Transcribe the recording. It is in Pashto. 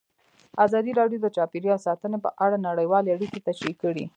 ازادي راډیو د چاپیریال ساتنه په اړه نړیوالې اړیکې تشریح کړي.